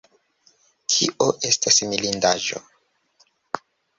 Kio estis mirindaĵo?